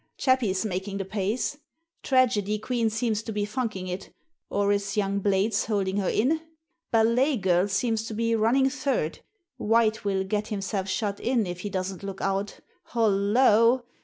Chappie's making the pace. Tragedy Queen seems to be funking it, or is young Blades holding her in? Ballet Girl seems to be running third. White will get himself shut in if he doesn't look out Hollo!